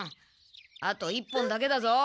あと１本だけだぞ。